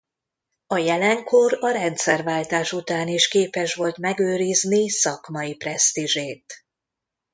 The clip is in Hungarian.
A Jelenkor a rendszerváltás után is képes volt megőrizni szakmai presztízsét.